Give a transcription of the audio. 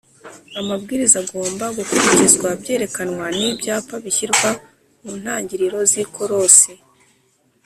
amabwiriza agomba gukurikizwa byerekanwa n ibyapa bishyirwa mu ntangiriro z ikorosi